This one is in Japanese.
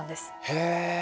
へえ。